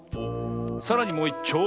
さらにもういっちょう。